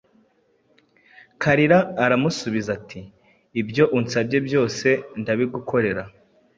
Kalira aramusubiza, ati «Ibyo unsabye byose ndabigukorera,